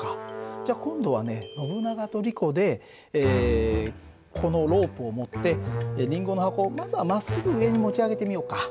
じゃ今度はねノブナガとリコでこのロープを持ってりんごの箱をまずはまっすぐ上に持ち上げてみようか。